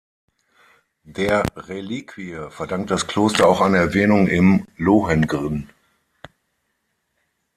Der Reliquie verdankt das Kloster auch eine Erwähnung im "Lohengrin".